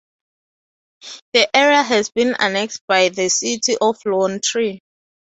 The area has been annexed by the city of Lone Tree.